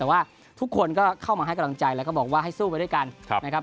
แต่ว่าทุกคนก็เข้ามาให้กำลังใจแล้วก็บอกว่าให้สู้ไปด้วยกันนะครับ